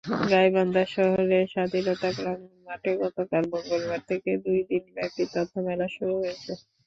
গাইবান্ধা শহরের স্বাধীনতা প্রাঙ্গণ মাঠে গতকাল মঙ্গলবার থেকে দুই দিনব্যাপী তথ্যমেলা শুরু হয়েছে।